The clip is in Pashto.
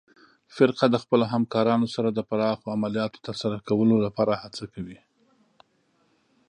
فرقه د خپلو همکارانو سره د پراخو عملیاتو ترسره کولو لپاره هڅه کوي.